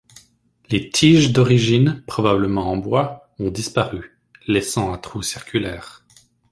Les tiges d'origine, probablement en bois, ont disparu, laissant un trou circulaire.